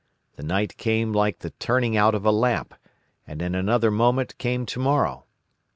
The night came like the turning out of a lamp, and in another moment came tomorrow.